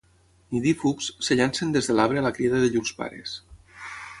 Nidífugs, es llancen des de l'arbre a la crida de llurs pares.